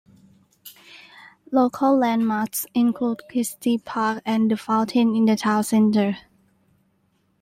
Local landmarks include Christie Park, and the Fountain in the town centre.